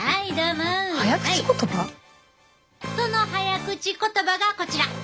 その早口言葉がこちら！